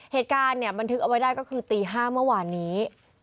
เหตุการณ์เนี่ยบันทึกเอาไว้ได้ก็คือตี๕เมื่อวานนี้